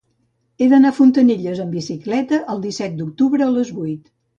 He d'anar a Fontanilles amb bicicleta el disset d'octubre a les vuit.